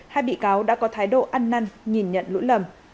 hai bị cáo đã có thái độ ăn năn nhìn nhận lỗi lầm